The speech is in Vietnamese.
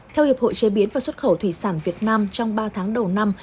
theo hiệp hội chế biến và xuất khẩu thủy sản việt nam trong ba tháng đầu năm